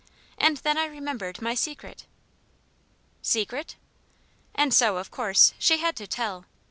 And then I remembered my Secret " "Secret?" And so, of course, she had to tell.